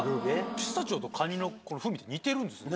ピスタチオと蟹の風味って似てるんですね。